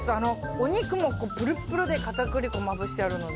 お肉もプルプルで片栗粉まぶしてるので。